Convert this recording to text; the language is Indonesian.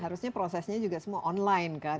harusnya prosesnya juga semua online kan